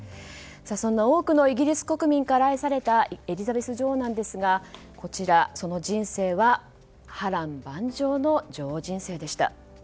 そんな多くのイギリス国民から愛されたエリザベス女王なんですがその人生は波瀾万丈の女王人生でした。